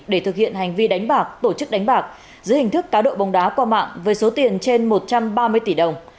để thực hiện hành vi đánh bạc tổ chức đánh bạc dưới hình thức cá độ bóng đá qua mạng với số tiền trên một trăm ba mươi tỷ đồng